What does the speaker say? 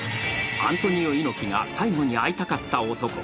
アントニオ猪木が最期に会いたかった男。